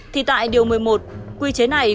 thì tại điều một mươi một quy chế này